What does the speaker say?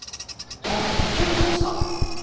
青木結婚したん？